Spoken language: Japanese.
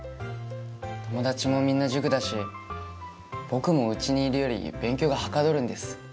友達もみんな塾だし僕も家にいるより勉強がはかどるんです。